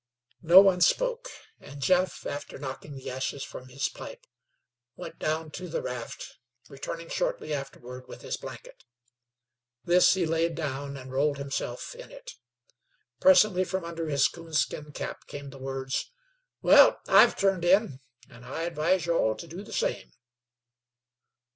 No one spoke, and Jeff, after knocking the ashes from his pipe, went down to the raft, returning shortly afterward with his blanket. This he laid down and rolled himself in it. Presently from under his coon skin cap came the words: "Wal, I've turned in, an' I advise ye all to do the same."